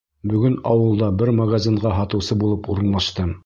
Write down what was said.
Бөгөн ауылда бер магазинға һатыусы булып урынлаштым.